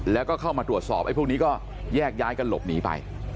แล้วก็เข้ามาตรวจสอบไอ้พวกนี้ก็แยกย้ายกันหลบหนีไป